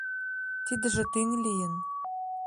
Тидыже тӱҥ лийын.